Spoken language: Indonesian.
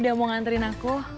masih berani berkumpul